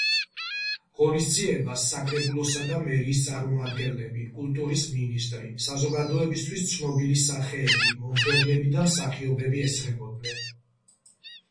ღონისძიებას საკრებულოსა და მერიის წარმომადგენლები, კულტურის მინისტრი, საზოგადოებისთვის ცნობილი სახეები მომღერლები და მსახიობები ესწრებოდნენ.